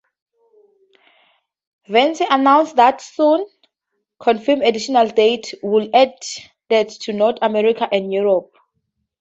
Vance announced that soon confirm additional dates would added to North America and Europe.